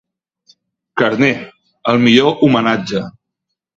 «Carner, el millor homenatge».